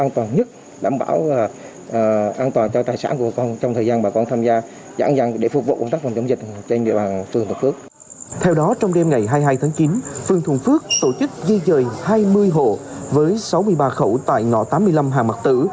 theo đó trong đêm ngày hai mươi hai tháng chín phương thuận phước tổ chức di dời hai mươi hộ với sáu mươi ba khẩu tại ngõ tám mươi năm hàng mạc tử